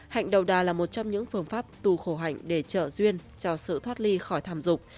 hạnh đầu đà là một trong những phương pháp tu khổ hạnh để trợ duyên cho sự thoát ly khỏi tham dục